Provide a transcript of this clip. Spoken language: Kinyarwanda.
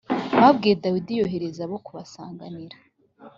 Babibwiye Dawidi yohereza abo kubasanganira